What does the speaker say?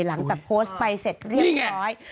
หลังจากโพสต์ไปเสร็จเรียบร้อย